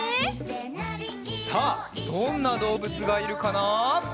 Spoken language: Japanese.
さあどんなどうぶつがいるかな？